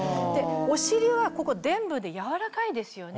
お尻はここ臀部で軟らかいですよね。